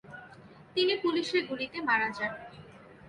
তিনি পুলিশের গুলিতে মারা যান।